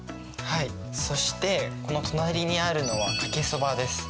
そしてこの隣にあるのはかけそばです。